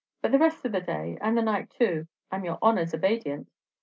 But the rest of the day, and the night too, I'm your honor's obaydient."